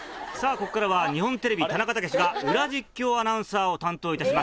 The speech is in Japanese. ここからは日本テレビ田中毅がウラ実況アナウンサーを担当いたします。